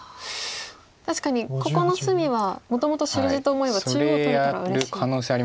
確かにここの隅はもともと白地と思えば中央取れたらうれしい。